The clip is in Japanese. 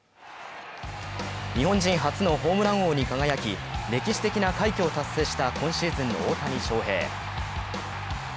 日本人初のホームラン王に輝き、歴史的な快挙を達成した今シーズンの大谷翔平